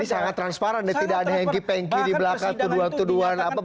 jadi sangat transparan ya tidak ada hengki pengki di belakang tuduhan tuduhan bermain di belakang